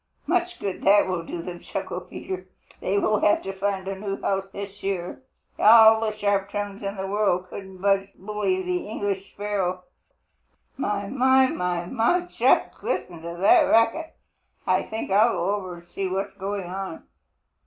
"Much good that will do them," chuckled Peter. "They will have to find a new house this year. All the sharp tongues in the world couldn't budge Bully the English sparrow. My, my, my, my, just hear that racket! I think I'll go over and see what is going on."